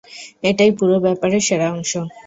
এটাই পুরো ব্যাপারের সেরা অংশ।